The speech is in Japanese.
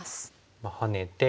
まあハネて。